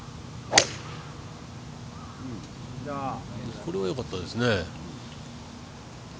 これはよかったですね。